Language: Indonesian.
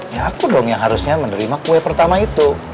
ya aku dong yang harusnya menerima kue pertama itu